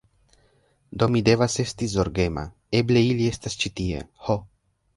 Do mi devas esti zorgema. Eble ili estas ĉi tie! Ho!